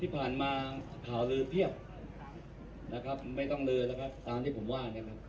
ที่ผ่านมาข่าวลือเพียบนะครับไม่ต้องลือแล้วครับตามที่ผมว่าเนี่ยนะครับ